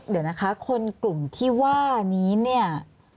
เดี๋ยวนะคะคนกลุ่มที่ว่านี้เนี่ย